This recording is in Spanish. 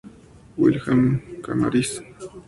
Wilhelm Canaris.